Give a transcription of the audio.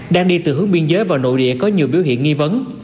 đang đi từ hướng biên giới vào nội địa có nhiều biểu hiện nghi vấn